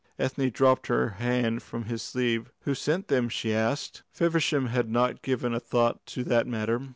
Ethne dropped her hand from his sleeve. "Who sent them?" she asked. Feversham had not given a thought to that matter.